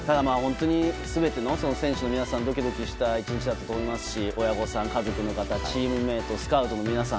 全ての選手の皆さんがドキドキした１日だったと思いますし親御さん、家族の方チームメート、スカウトの皆さん